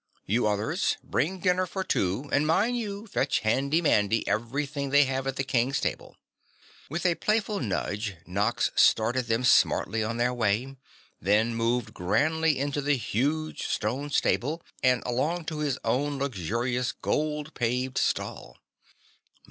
"You others, bring dinner for two, and mind you fetch Handy Mandy everything they have at the King's table." With a playful lunge Nox started them smartly on their way, then moved grandly into the huge stone stable and along to his own luxurious gold paved stall.